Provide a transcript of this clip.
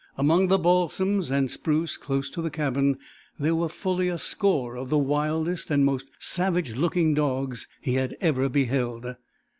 Among the balsams and spruce close to the cabin there were fully a score of the wildest and most savage looking dogs he had ever beheld.